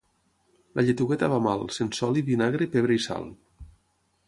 La lletugueta va mal, sense oli, vinagre, pebre i sal.